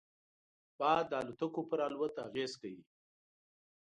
باد د الوتکو پر الوت اغېز کوي